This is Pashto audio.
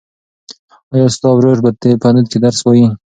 ایا ستا ورور په دې پوهنتون کې درس وایي؟